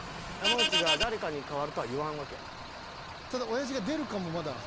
ただ親父が出るかもまだ。